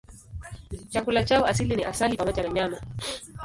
Chakula chao asili ni asali pamoja na nyama.